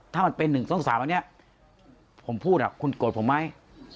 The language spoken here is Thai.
ถ้ามันเป็น๑๒๓อันนี้ผมพูดคุณโกรธผมไหม